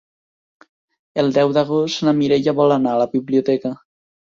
El deu d'agost na Mireia vol anar a la biblioteca.